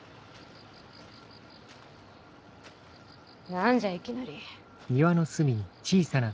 何じゃいきなり。